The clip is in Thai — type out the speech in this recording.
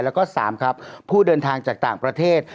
แล้วก็๓ครับผู้เดินทางจากต่างประเทศ